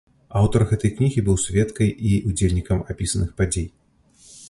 Аўтар гэтай кнігі быў сведкай і ўдзельнікам апісаных падзей.